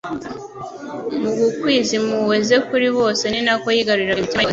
Mu gukwiza impuhwe ze kuri bose ni nako yigaruriraga imitima yose.